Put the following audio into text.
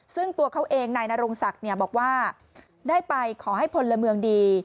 ซึ่งตัวเขาเองนายนรงศักดิ์บอกว่าได้ไปขอให้พลเมืองดี